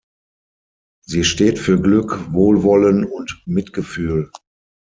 Sie steht für Glück, Wohlwollen und Mitgefühl.